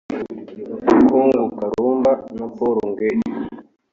Kung’u Karumba na Paul Ngei